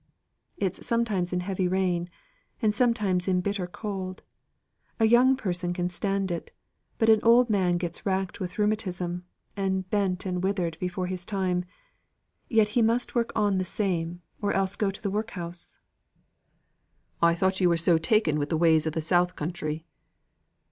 "It's sometimes in heavy rain, and sometimes in bitter cold. A young person can stand it; but an old man gets racked with rheumatism, and bent and withered before his time; yet he must just work on the same, or else go to the workhouse." "I thought yo were so taken wi' the ways of the South country."